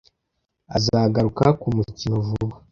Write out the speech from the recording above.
Azagaruka kumukino vuba.